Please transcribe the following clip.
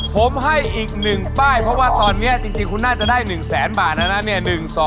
ผมให้อีกหนึ่งป้ายเพราะว่าตอนนี้จริงคุณน่าจะได้๑๐๐๐๐๐บาทนะนะเนี่ย